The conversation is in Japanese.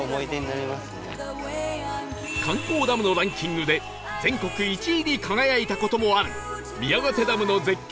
観光ダムのランキングで全国１位に輝いた事もある宮ヶ瀬ダムの絶景